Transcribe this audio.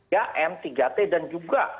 ya m tiga t dan juga